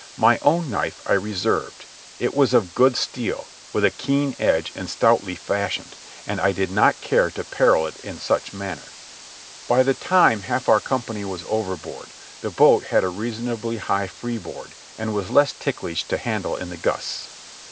My own knife I reserved. It was of good steel, with a keen edge and stoutly fashioned, and I did not care to peril it in such manner. By the time half our company was overboard, the boat had a reasonably high freeboard and was less ticklish to handle in the gusts.